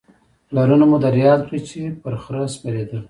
پلرونه مو در یاد کړئ چې په خره سپرېدل